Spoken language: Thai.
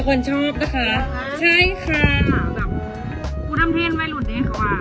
คนชอบนะคะใช่ค่ะคู่ธรรมเทศไม่หลุดเดขว่ะ